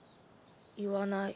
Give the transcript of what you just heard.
言わない。